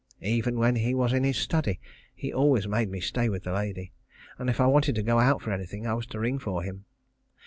Even when he was in his study he always made me stay with the lady, and if I wanted to go out for anything, I was to ring for him.